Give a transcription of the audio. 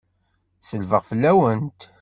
Selbeɣ fell-awent!